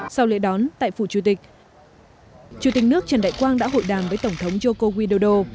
sau lễ đón tại phủ chủ tịch chủ tịch nước trần đại quang đã hội đàm với tổng thống joko widodo